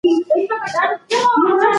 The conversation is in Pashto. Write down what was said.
هغې وویل چې زه غواړم ډاکټره شم.